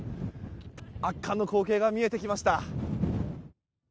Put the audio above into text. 圧巻の光景が見えてきました。